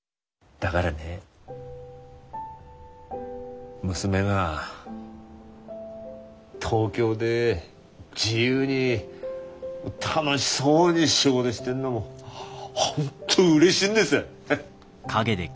だがらね娘が東京で自由に楽しそうに仕事してんのもう本当うれしいんです。